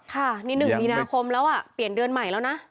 ค่ะนี่๑มีนาคมแล้วเปลี่ยนเดือนใหม่แล้วนะ